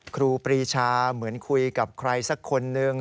ครูปรีชาเหมือนคุยกับใครสักคนนึง